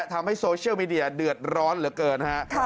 ทำให้โซเชียลมีเดียเดือดร้อนเหลือเกินฮะ